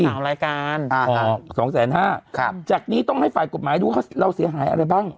ของรายการอ่าสองแสนห้าครับจากนี้ต้องให้ฝ่ายกฎหมายดูว่าเราเสียหายอะไรบ้าง